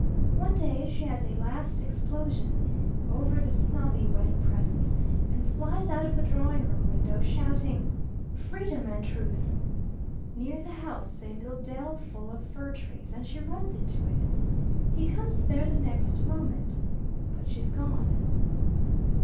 One day she has a last explosion over the snobby wedding presents and flies out of the drawing room window, shouting, 'Freedom and truth!' Near the house is a little dell full of fir trees, and she runs into it. He comes there the next moment. But she's gone."